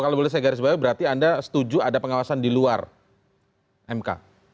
kalau boleh saya garis bawah berarti anda setuju ada pengawasan di luar mk